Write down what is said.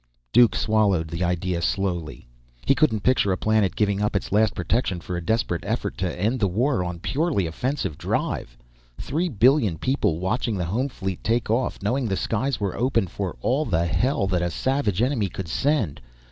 Duke swallowed the idea slowly. He couldn't picture a planet giving up its last protection for a desperate effort to end the war on purely offensive drive. Three billion people watching the home fleet take off, knowing the skies were open for all the hell that a savage enemy could send!